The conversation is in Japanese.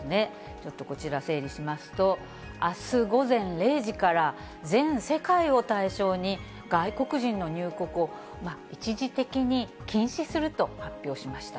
ちょっとこちら、整理しますと、あす午前０時から、全世界を対象に外国人の入国を、一時的に禁止すると発表しました。